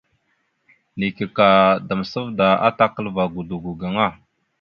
Neke ka damsavda atakalva godogo gaŋa.